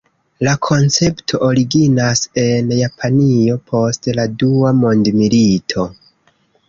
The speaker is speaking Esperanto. La koncepto originas en Japanio post la Dua Mondmilito.